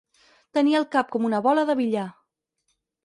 Tenir el cap com una bola de billar.